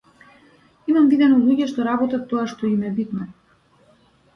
Имам видено луѓе што работат тоа што им е битно.